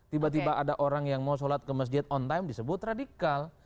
tiba tiba ada orang yang mau sholat ke masjid on time disebut radikal